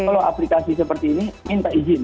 kalau aplikasi seperti ini minta izin